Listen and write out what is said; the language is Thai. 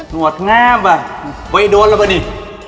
หนวดงามไปไปด้วย้าบ้านี่